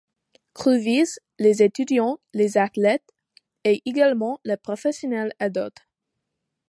Cru vise les étudiants, les athlètes, et également les professionnels adultes.